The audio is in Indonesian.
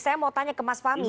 saya mau tanya ke mas fahmi